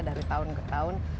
dari tahun ke tahun